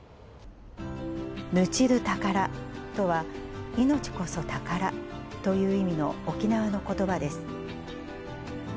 ぬちどぅ宝とは、命こそ宝という意味の沖縄のことばです。